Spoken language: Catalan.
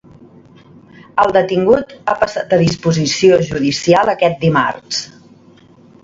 El detingut ha passat a disposició judicial aquest dimarts.